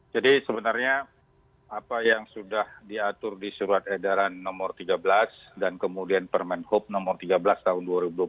jadi sebenarnya apa yang sudah diatur di surat edaran nomor tiga belas dan kemudian permen kup nomor tiga belas tahun dua ribu dua puluh satu